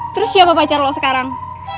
terus siapa pacar loh sekarang